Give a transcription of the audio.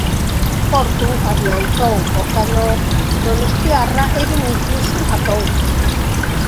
Portu adiantou o cadro donostiarra e Vinicius empatou.